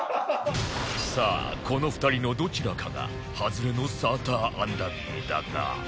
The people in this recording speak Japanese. さあこの２人のどちらかがハズレのサーターアンダギーだが